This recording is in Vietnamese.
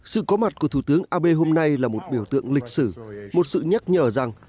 sự có mặt của thủ tướng abe hôm nay là một biểu tượng lịch sử một sự nhắc nhở rằng